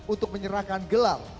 untuk menyerahkan gelar